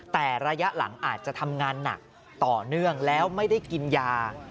แต่ระยะหลังอาจจะทำงานหนักต่อเนื่องแล้วไม่ได้กินยา